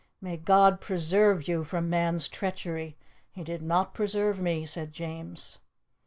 May God preserve you from man's treachery. He did not preserve me," said James.